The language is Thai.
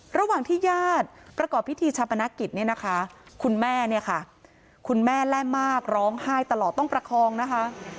ระหว่างที่ญาติประกอบพิธีชาปนักกิจคุณแม่แร่มากร้องไห้ตลอดต้องประคองนะคะ